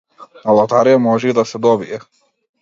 На лотарија може и да се добие.